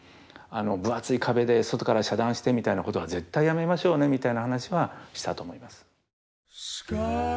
「分厚い壁で外から遮断してみたいなことは絶対やめましょうね」みたいな話はしたと思います。